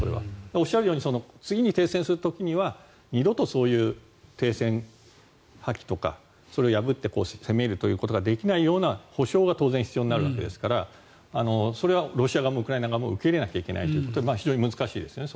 おっしゃるように次に停戦する時には二度とそういう停戦破棄とかそれを破って攻めるということができないような保証が当然必要になるわけですからそれはロシア側もウクライナ側も受けれいなきゃいけないということで非常に難しいですよね